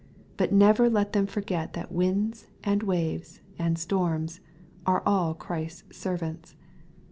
But never let them forget that winds, and waves, and storms are all Christ's servants.